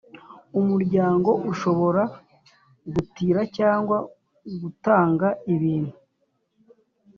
Umuryango ushobora gutira cyangwa gutunga ibintu